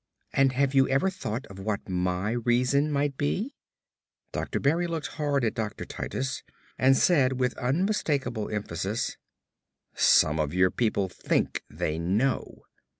"And have you ever thought of what my reason might be?" Dr. Berry looked hard at Dr. Titus and said with unmistakable emphasis, "Some of your people think they know."